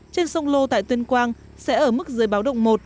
trên sông lô tại tuyên quang sẽ ở mức dưới báo động một